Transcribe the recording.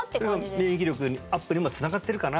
免疫力アップにもつながってるかな？